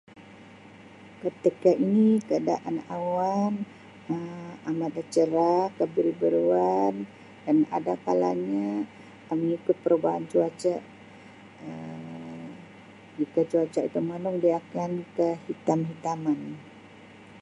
Ketika ini keadaan awan Um amat cerah kebiru-biruan dan ada kalanya mengikut perubahan cuaca Um jika cuaca itu mendung dia akan kehitam-hitaman.